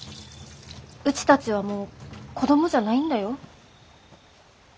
うちたちはもう子供じゃないんだよ。